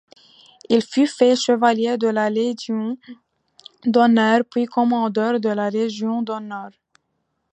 Il fut fait chevalier de la Légion d'honneur puis Commandeur de la Légion d'honneur.